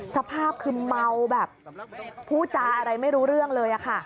สภาพคือเมาผู้จ้าอะไรไม่รู้เรื่องเลย